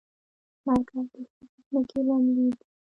مرکز بهسود ځمکې للمي دي؟